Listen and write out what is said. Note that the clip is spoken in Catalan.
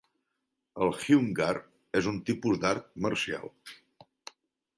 El "hung gar" és un tipus d'art marcial.